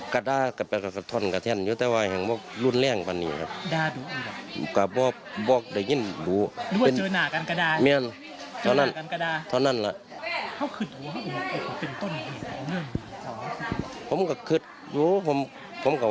เสียใจเสียใจหรอครับเหตุการณ์สิผมเสียใจหลังจากนี้เขาเสียใจหรอครับ